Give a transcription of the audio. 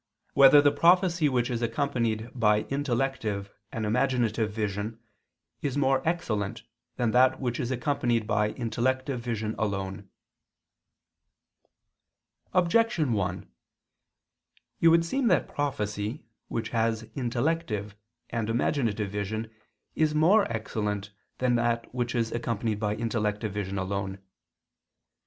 174, Art. 2] Whether the Prophecy Which Is Accompanied by Intellective and Imaginative Vision Is More Excellent Than That Which Is Accompanied by Intellective Vision Alone? Objection 1: It would seem that the prophecy which has intellective and imaginative vision is more excellent than that which is accompanied by intellective vision alone.